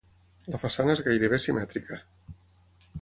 La façana és gairebé simètrica.